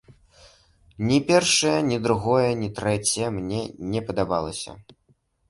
Ні першае, ні другое, ні трэцяе мне не падабалася.